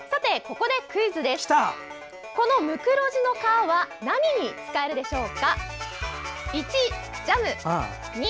このムクロジの皮は何に使えるでしょうか？